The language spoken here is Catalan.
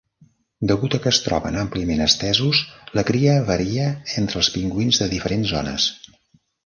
Degut a que es troben àmpliament estesos, la cria varia entre els pingüins de diferents zones.